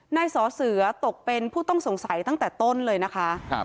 นายสอเสือตกเป็นผู้ต้องสงสัยตั้งแต่ต้นเลยนะคะ